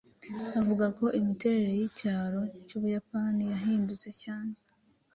Bavuga ko imiterere y’icyaro cy’Ubuyapani cyahindutse cyane.